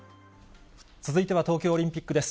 続いては東京オリンピックです。